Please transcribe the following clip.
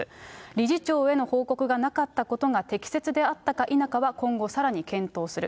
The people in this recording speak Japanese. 理事長への報告がなかったことが適切であったか否かは、今後さらに検討する。